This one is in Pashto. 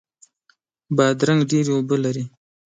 بادرنګ ډیرې اوبه لري.